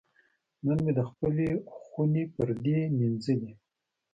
نن مې د خپلې خونې پردې وینځلې.